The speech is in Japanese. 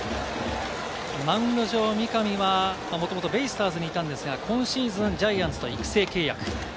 マウンド上、三上はもともとベイスターズにいたんですが、今シーズン、ジャイアンツと育成契約。